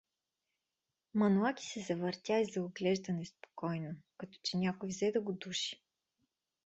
Манолаки се завъртя и заоглежда неспокойно, като че някой взе да го души.